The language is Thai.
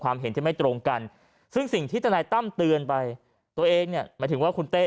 ความเห็นที่ไม่ตรงกันสิ่งที่ทนายตั้มเตือนหมายถึงว่าคุณเต้